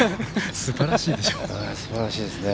すばらしいでしょ。